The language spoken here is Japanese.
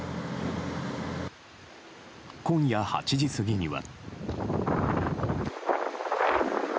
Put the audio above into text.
今夜８時過ぎには。